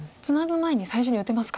前に最初に打てますか。